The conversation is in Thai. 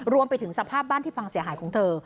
รวมไปถึงสภาพบ้านที่ฟังเสียหายของเธอ